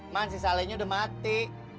man si salenya udah mati